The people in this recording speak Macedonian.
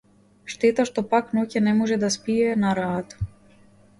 Штета што пак ноќе не може да спие на раат.